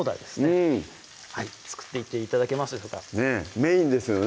うん作っていって頂けますでしょうかねぇメインですよね